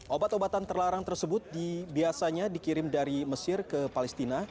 obat obatan terlarang tersebut biasanya dikirim dari mesir ke palestina